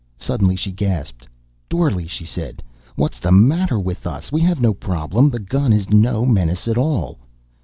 Suddenly she gasped. "Dorle," she said. "What's the matter with us? We have no problem. The gun is no menace at all."